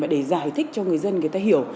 để giải thích cho người dân người ta hiểu